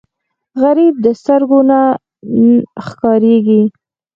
غریب د سترګو نه ښکارېږي